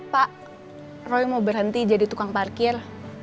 pak roy mau berhenti jadi tukang parkir